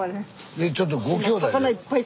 えちょっとごきょうだいで？